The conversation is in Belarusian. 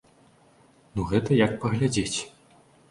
Ну, гэта як паглядзець.